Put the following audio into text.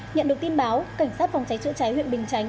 nhận được tin báo cảnh sát phòng cháy chữa cháy huyện bình chánh